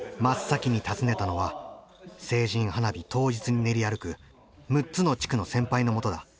真っ先に訪ねたのは成人花火当日に練り歩く６つの地区の先輩のもとだ。